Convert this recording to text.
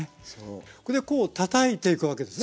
こうたたいていくわけですね。